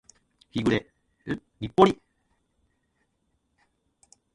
日暮里